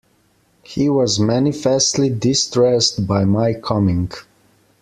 He was manifestly distressed by my coming.